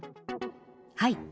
はい。